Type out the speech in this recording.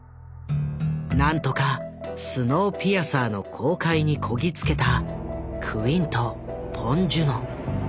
何とか「スノーピアサー」の公開にこぎつけたクインとポン・ジュノ。